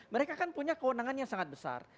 mereka kan punya kewenangan yang sangat besar